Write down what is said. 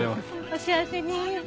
お幸せに。